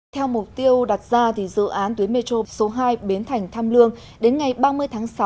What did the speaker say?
theo mục tiêu đặt ra dự án tuyến metro số hai biến thành tham lương đến ngày ba mươi tháng sáu